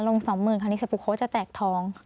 ลง๒๐๐๐๐คันนี้สัปดาห์เขาก็จะแจกทอง